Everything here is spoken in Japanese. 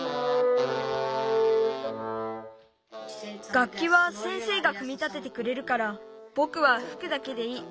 がっきは先生がくみ立ててくれるからぼくはふくだけでいい。